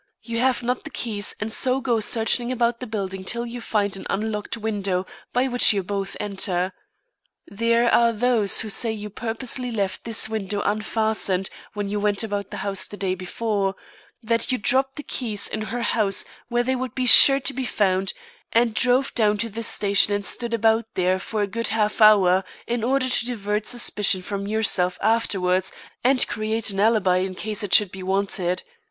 You have not the keys and so go searching about the building till you find an unlocked window by which you both enter. There are those who say you purposely left this window unfastened when you went about the house the day before; that you dropped the keys in her house where they would be sure to be found, and drove down to the station and stood about there for a good half hour, in order to divert suspicion from yourself afterwards and create an alibi in case it should be wanted.